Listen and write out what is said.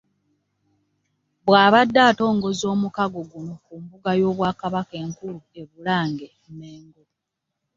Bw'abadde atongoza omukago guno ku mbuga y'Obwakabaka enkulu e Bulange, Mmengo